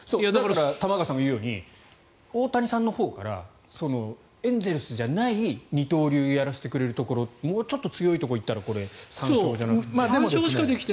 玉川さんが言うように大谷さんのほうからエンゼルスじゃない二刀流やらせてくれるところもうちょっと強いところに行ったら３勝じゃなくて。